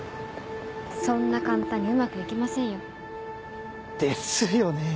そんな簡単にうまく行きませんよ。ですよねぇ。